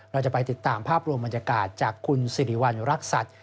เราจะไปติดตามภาพรวมบรรยากาศจากคุณสิริวัณรักษัตริย์